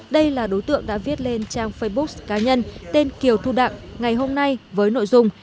đây là đối tượng đã viết lên trang facebook cá nhân tên kiều thu đặng ngày hôm nay với nội dung